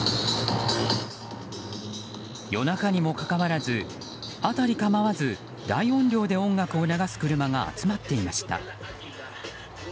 夜中にもかかわらず辺りかまわず大音量で音楽を流す車が集まっていました。